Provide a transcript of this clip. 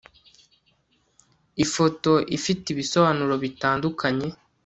ifoto ifite ibisobanuro bitandukanye